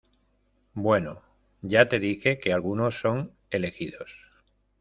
bueno, ya te dije que algunos son elegidos